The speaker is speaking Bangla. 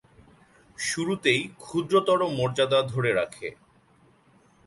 শুরুতেই ক্ষুদ্রতর মর্যাদা ধরে রাখে।